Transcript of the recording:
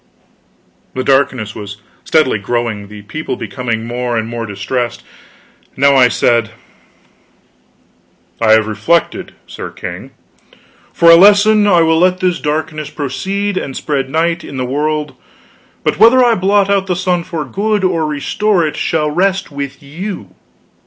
The darkness was steadily growing, the people becoming more and more distressed. I now said: "I have reflected, Sir King. For a lesson, I will let this darkness proceed, and spread night in the world; but whether I blot out the sun for good, or restore it, shall rest with you.